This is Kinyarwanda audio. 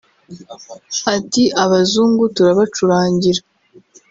Ati “Abazungu turabacurangira